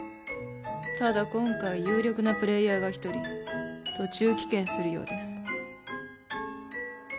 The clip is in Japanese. ただ今回有力なプレーヤーが１人途中棄権するようです。